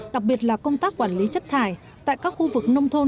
đặc biệt là công tác quản lý chất thải tại các khu vực nông thôn